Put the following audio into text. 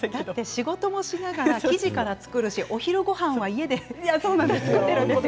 仕事をしながら生地から作るし、お昼ごはんはおうちで作ってるんですよ。